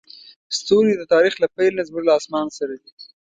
ستوري د تاریخ له پیل نه زموږ له اسمان سره دي.